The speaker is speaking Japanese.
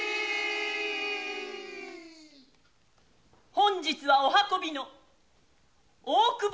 本日はお運びの大久保